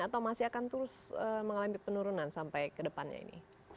atau masih akan terus mengalami penurunan sampai ke depannya ini